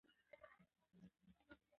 نسبتاً ستونزمن ؤ